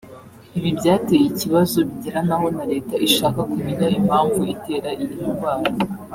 Ibi byateye ikibazo bigera n’aho na Leta ishaka kumenya impamvu itera iyi ndwara